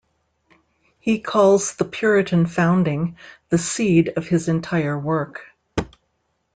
He calls the Puritan Founding the "seed" of his entire work.